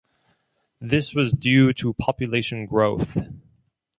This was due to population growth.